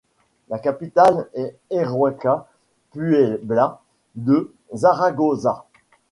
La capitale est Heróica Puebla de Zaragoza.